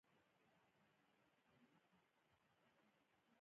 طالبان د هویت پر بحث کې پوه شوي دي.